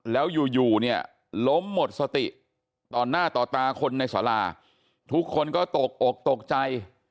แล้วอยู่อยู่เนี่ยล้มหมดสติต่อหน้าต่อตาคนในสาราทุกคนก็ตกอกตกใจ